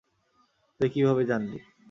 তুই কিভাবে জানলি?